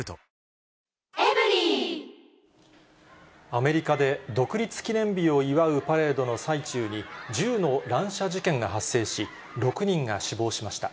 アメリカで独立記念日を祝うパレードの最中に銃の乱射事件が発生し、６人が死亡しました。